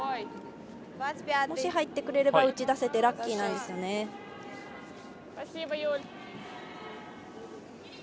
もし入ってくれれば打ち出せてラッキーなんですけど。